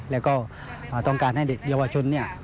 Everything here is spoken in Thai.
แล้วก็ต้องการให้เด็กเยาวชนเนี่ย